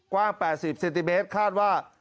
กว้าง๘๐เซนติเมตรคาดว่า